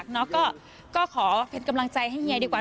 ก็ขอเป็นกำลังใจให้เฮียดีกว่า